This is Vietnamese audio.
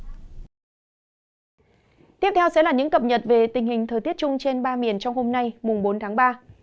tiếp theo sẽ là những cập nhật về tình hình thời tiết chung trên ba miền trong hôm nay bốn tháng ba